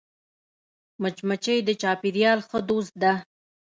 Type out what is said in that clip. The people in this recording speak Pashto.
مچمچۍ د چاپېریال ښه دوست ده